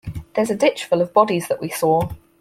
There's a ditch full of bodies that we saw.